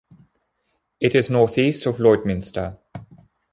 It is northeast of Lloydminster.